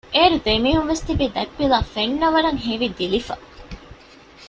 އޭރު ދެމީހުންވެސް ތިބީ ދަތްޕިލާ ފެންނަވަރަށް ހެވިދިލިފަ